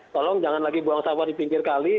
tolong jangan lagi buang sampah di pinggir kali